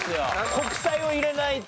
「国際」を入れないと。